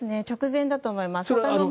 直前だと思います。